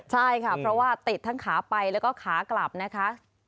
ใช่ค่ะเพราะว่าติดทั้งขาไปแล้วก็ขากลับนะคะ